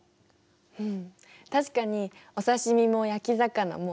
うん確かにお刺身も焼き魚もおいしいよね。